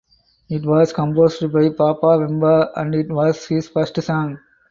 It was composed by Papa Wemba and it was his first song.